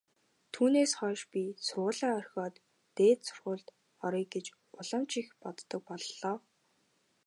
Түүнээс хойш би сургуулиа орхиод дээд сургуульд оръё гэж улам ч боддог боллоо.